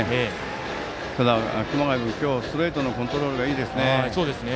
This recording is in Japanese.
ただ、熊谷君ストレートのコントロールがいいですね。